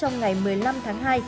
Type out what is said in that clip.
trong ngày một mươi năm tháng hai